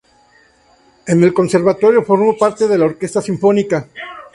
En el conservatorio formó parte de la orquesta sinfónica.